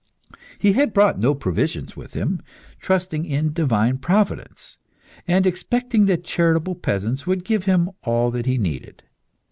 He had brought no provisions with him, trusting in divine providence, and expecting that charitable peasants would give him all that he needed.